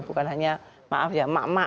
bukan hanya maaf ya emak emak